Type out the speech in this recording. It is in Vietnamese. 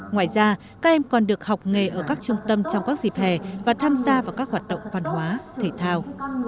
ngoài ra các em còn được học nghề ở các trung tâm trong các dịp hè và tham gia vào các hoạt động văn hóa thể thao